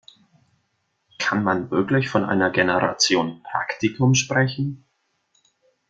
Kann man wirklich von einer Generation Praktikum sprechen?